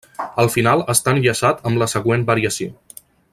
El final està enllaçat amb la següent variació.